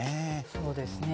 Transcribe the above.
そうですね。